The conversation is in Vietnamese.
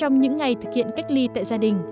trong những ngày thực hiện cách ly tại gia đình